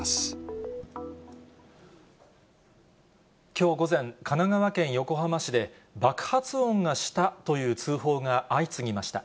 きょう午前、神奈川県横浜市で、爆発音がしたという通報が相次ぎました。